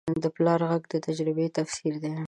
د پلار غږ د تجربې تفسیر دی